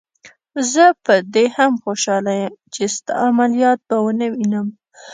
زه په دې هم خوشحاله یم چې ستا عملیات به ونه وینم.